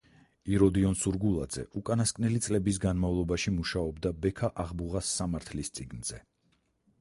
იროდიონ სურგულაძე უკანასკნელი წლების განმავლობაში მუშაობდა ბექა-აღბუღას სამართლის წიგნზე.